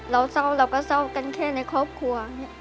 เราเศร้าเราก็เศร้ากันแค่ในครอบครัว